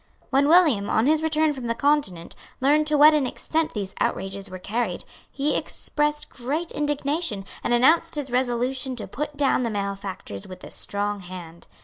When William, on his return from the Continent, learned to what an extent these outrages were carried, he expressed great indignation, and announced his resolution to put down the malefactors with a strong hand.